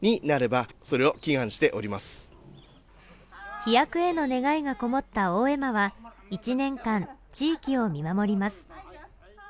飛躍への願いがこもった大絵馬は１年間、地域を見守ります。